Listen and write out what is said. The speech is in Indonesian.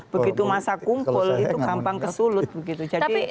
begitu masa kumpul itu gampang kesulut begitu